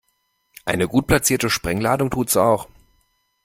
Eine gut platzierte Sprengladung tut's auch.